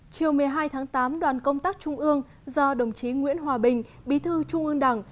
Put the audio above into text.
chiều một mươi hai tháng tám đoàn công tác trung ương do đồng chí nguyễn hòa bình bí thư trung ương đảng